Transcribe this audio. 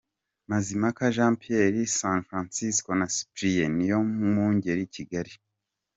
Mazimpaka Jean Pierre - San Francisco na Cyprien Niyomwungeri - Kigali.